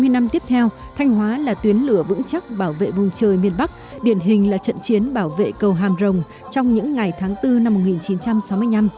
hai mươi năm tiếp theo thanh hóa là tuyến lửa vững chắc bảo vệ vùng trời miền bắc điển hình là trận chiến bảo vệ cầu hàm rồng trong những ngày tháng bốn năm một nghìn chín trăm sáu mươi năm